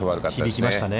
響きましたね。